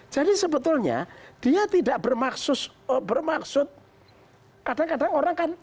jadi sebetulnya dia tidak bermaksud kadang kadang orang kan